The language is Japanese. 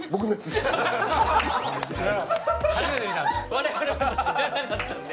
我々も知らなかったので。